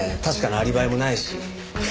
確かなアリバイもないし。